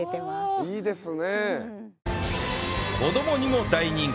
いいんですね。